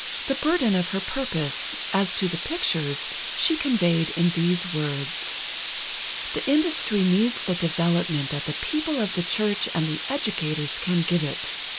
The burden of her purpose, as to the pictures, she conveyed in these words: "The industry needs the development that the people of the church and the educators can give it.